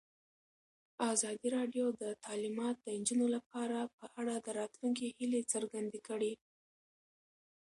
ازادي راډیو د تعلیمات د نجونو لپاره په اړه د راتلونکي هیلې څرګندې کړې.